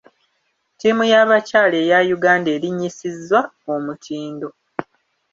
Ttiimu y'abakyala eya Uganda erinnyisiza omutindo.